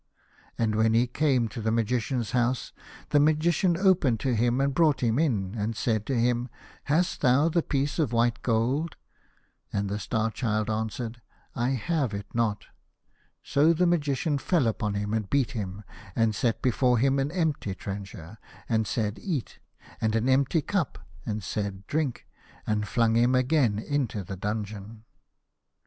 And when he came to the Magician's house, the Magician opened to him, and brought him in, and said to him, " Hast thou the piece of white gold ?" And the Star Child answered, " I have it not." So the Magician fell upon him, and beat him, and set before him an empty trencher, and said, " Eat," and an empty cup, and said, " Drink," and flung him again into the dungeon.